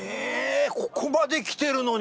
ここまで来てるのに。